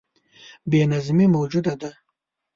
بې نظمي موجوده ده.